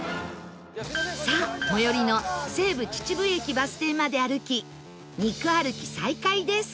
さあ最寄りの西武秩父駅バス停まで歩き肉歩き再開です